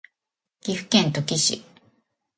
岐阜県土岐市